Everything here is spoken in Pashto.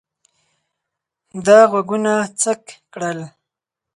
ده غوږونه څک کړل.